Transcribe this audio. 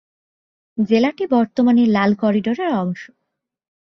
জেলাটি বর্তমানে লাল করিডোরের অংংশ।